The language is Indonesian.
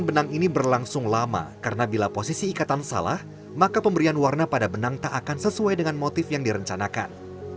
benang ini berlangsung lama karena bila posisi ikatan salah maka pemberian warna pada benang tak akan sesuai dengan motif yang direncanakan